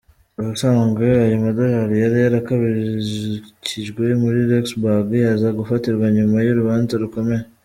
Ubusanzwe ayo madolari yari yarabikijwe muri Luxemburg, aza gufatirwa nyuma y’urubanza rukomeye.